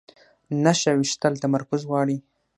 نښه ویشتل تمرکز غواړي